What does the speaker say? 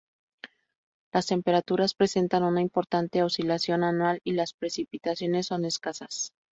Las temperaturas presentan una importante oscilación anual y las precipitaciones son escasas.